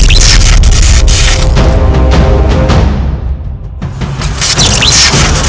semoga ayat sha selfies